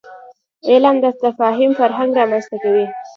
علم د تفاهم فرهنګ رامنځته کوي.